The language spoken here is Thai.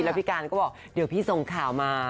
แล้วพี่การก็บอกเดี๋ยวพี่ส่งข่าวมา